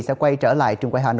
sẽ quay trở lại trường quay hà nội